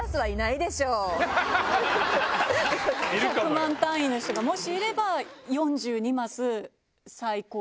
１００万単位の人がもしいれば４２マス最高で。